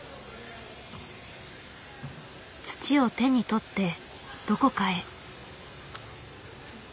土を手に取ってどこかへ。